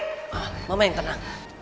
mama mama yang tenang